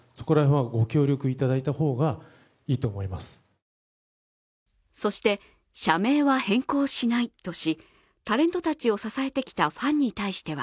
更に、こんな質問もそして社名は変更しないとしタレントたちを支えてきたファンに対しては